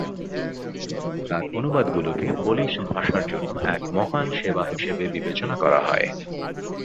তার অনুবাদগুলোকে পোলিশ ভাষার জন্য এক "মহান সেবা" হিসেবে বিবেচনা করা হয়।